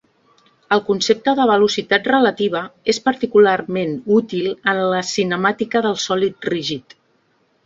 El concepte de velocitat relativa és particularment útil en la cinemàtica del sòlid rígid.